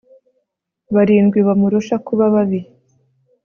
barindwi bamurusha kuba babi